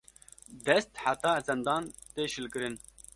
Dest heta zendan tê şilkirin